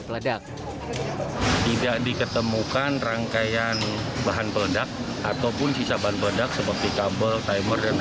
peledak tidak diketemukan rangkaian bahan peledak ataupun sisa bahan peledak seperti kabel timer dan